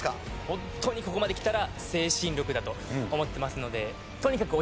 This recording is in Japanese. ホントにここまできたら精神力だと思ってますのでとにかく